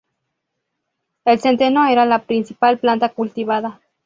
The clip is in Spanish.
El centeno era la principal planta cultivada.